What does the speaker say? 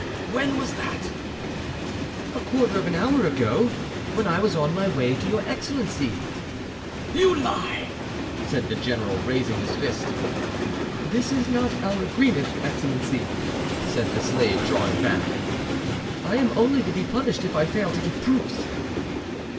"When was that?" "A quarter of an hour ago, when I was on my way to your excellency." "You lie!" said the general, raising his fist. "This is not our agreement, your excellency," said the slave, drawing back. "I am only to be punished if I fail to give proofs."